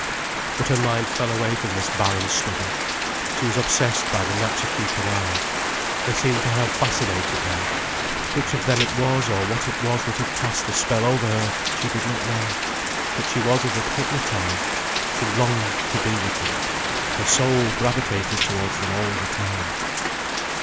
But her mind fell away from this barren study. She was obsessed by the Natcha Kee Tawaras. They seemed to have fascinated her. Which of them it was, or what it was that had cast the spell over her, she did not know. But she was as if hypnotized. She longed to be with them. Her soul gravitated towards them all the time.